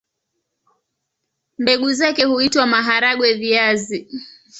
Mbegu zake huitwa maharagwe-viazi.